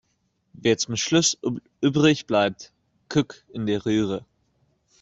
Wer zum Schluss übrig bleibt, guckt in die Röhre.